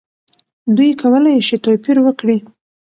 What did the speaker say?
دوی کولی شي توپیر وکړي.